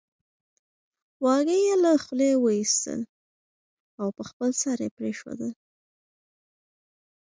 واګی یې له خولې وېستل او په خپل سر یې پرېښودل